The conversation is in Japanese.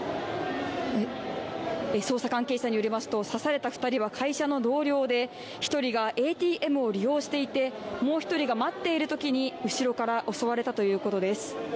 捜査関係者によりますと刺された２人は会社の同僚で１人がＡＴＭを利用していて、もう一人が待っているときに後ろから襲われたということです。